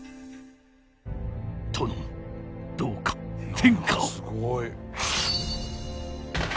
殿どうか天下を。